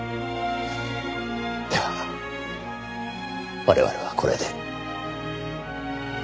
では我々はこれで。